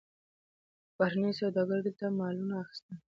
بهرنیو سوداګرو دلته مالونه اخیستل.